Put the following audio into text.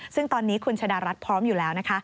ซึ่งตอนนี้คุณชะดารัฐพร้อมอยู่แล้วนะคะ